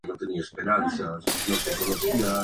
Glabrión entonces permitió a sus soldados saquear la ciudad.